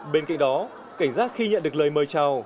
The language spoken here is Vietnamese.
bên cạnh đó cảnh giác khi nhận được lời mời chào